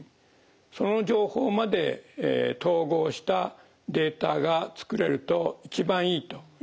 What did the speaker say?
その情報まで統合したデータが作れると一番いいというふうに考えています。